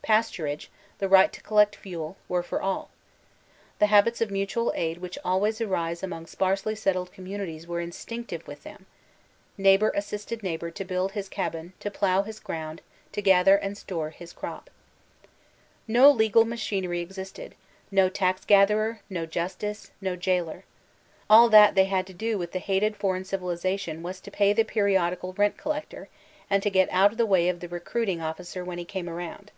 Pasturage, the right to collect fuel, were for all. The habits of mutual aid which al ways arise among sparsely settled communities were in stinctive with them. Neighbor assisted neighbor to build his cabin, to plough his ground, to gather and store this crop. No l^ial machinery existed — no taxgatherer, no jus 258 VOLTAIRINE HE ClEYUK tice, no jailer. All that they had to do with the hated foreign civilization was to pay the periodical rent collec tor, and to get out of the way of the recruiting officer when he came around.